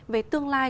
về tương lai